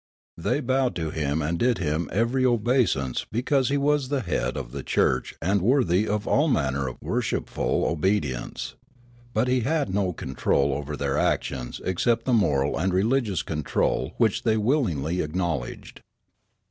They bowed to him and did him every obeisance be cause he was the head of the church and worthy of all manner of worshipful obedience. But he had no con trol over their actions except the moral and religious control which they willingly acknowledged.